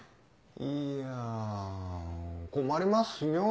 いや困りますよ。